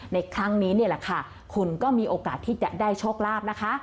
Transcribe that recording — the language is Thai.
ในครั้งนี้คุณก็มีโอกาสที่จะได้โชคลาภนะคะ